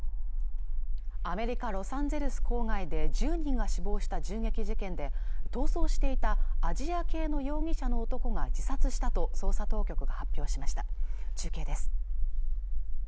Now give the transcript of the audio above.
アメリカ・ロサンゼルス郊外で１０人が死亡した銃撃事件で逃走していたアジア系の容疑者の男が自殺したと捜査当局が発表しました中継です